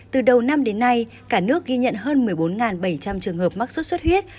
từ đầu năm đến nay cả nước ghi nhận hơn một mươi bốn bảy trăm linh trường hợp mắc sốt xuất huyết